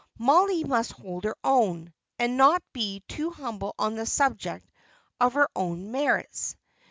Mollie must hold her own, and not be too humble on the subject of her own merits.